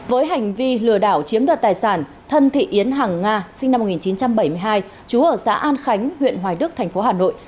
với hành vi lừa đảo chiếm đoạt tài sản thân thị yến hàng nga sinh năm một nghìn chín trăm bảy mươi hai chú ở xã an khánh huyện hoài đức thành phố hà nội